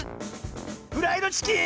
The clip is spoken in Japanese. フライドチキン⁉